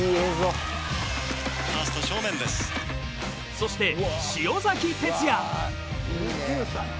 そして潮崎哲也。